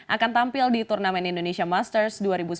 akan tampil di turnamen indonesia masters dua ribu sembilan belas